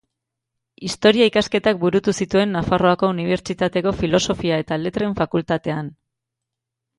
Historia ikasketak burutu zituen Nafarroako Unibertsitateko Filosofia eta Letren Fakultatean.